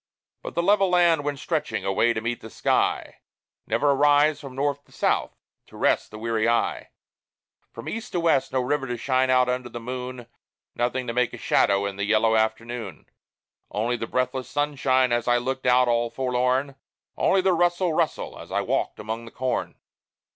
But the level land went stretching away to meet the sky Never a rise, from north to south, to rest the weary eye! From east to west no river to shine out under the moon, Nothing to make a shadow in the yellow afternoon: Only the breathless sunshine, as I looked out, all forlorn; Only the "rustle, rustle," as I walked among the corn.